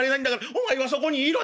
お前はそこにいろ」。